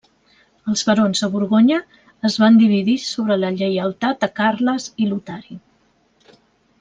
Els barons de Borgonya es van dividir sobre la lleialtat a Carles i Lotari.